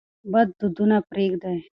بد دودونه پرېږدئ.